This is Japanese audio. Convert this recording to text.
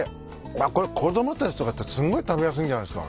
これ子供たちとかってすごい食べやすいんじゃないっすか。